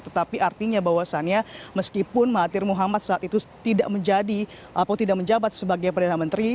tetapi artinya bahwasannya meskipun mahathir muhammad saat itu tidak menjadi atau tidak menjabat sebagai perdana menteri